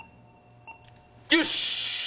よし！